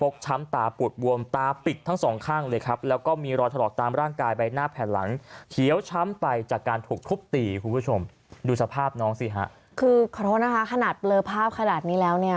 คือขอโทษนะคะขนาดเบลอภาพขนาดนี้แล้วเนี่ย